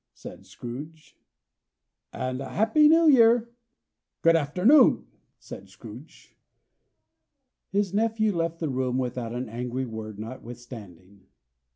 said Scrooge. "And a Happy New Year!" "Good afternoon!" said Scrooge. His nephew left the room without an angry word, notwithstanding.